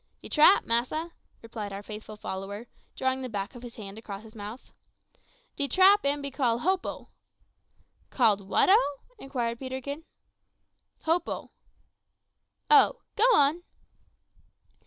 "De trap, massa," replied our faithful follower, drawing the back of his hand across his mouth "de trap am be call hopo " "Called what o?" inquired Peterkin. "Hopo." "Oh! go on."